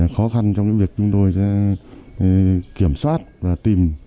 khó khăn trong việc chúng tôi sẽ kiểm soát và tìm